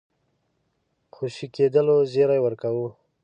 خوشي کېدلو زېری ورکاوه.